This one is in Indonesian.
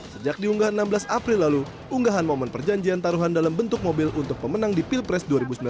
sejak diunggah enam belas april lalu unggahan momen perjanjian taruhan dalam bentuk mobil untuk pemenang di pilpres dua ribu sembilan belas